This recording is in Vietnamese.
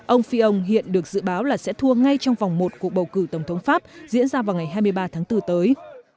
ông phi ông hiện được dự báo là sẽ thua ngay trong vòng một cuộc bầu cử tổng thống pháp diễn ra vào ngày hai mươi ba tháng bốn tới